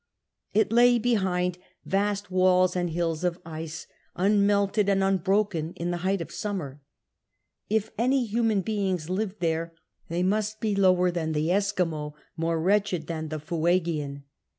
It lay behind vast walls and hills of ice, unmelted and 112 CAPTAIN COOK CHAP. unbroken in the height of summer. If any human beings lived there they must bo lower than the Eskimo, more wretched than the Fuegian.